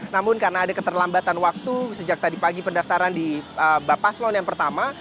namun karena ada keterlambatan waktu sejak tadi pagi pendaftaran di bapak slon yang pertama